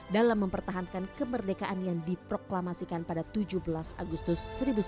dalam mempertahankan kemerdekaan yang diproklamasikan pada tujuh belas agustus seribu sembilan ratus empat puluh